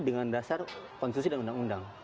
dengan dasar konstitusi dan undang undang